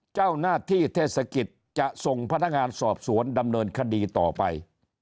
เจ้าหน้าที่เทศกิจจะส่งพนักงานสอบสวนดำเนินคดีต่อไป